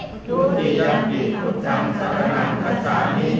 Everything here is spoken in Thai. ทุติยังปิตพุทธังสาระนังขาชามี